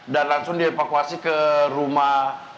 dan langsung dievakuasi ke rumah